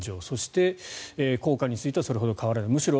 そして、効果についてはそれほど変わらない。